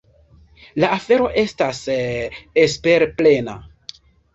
La afero estas esperplena.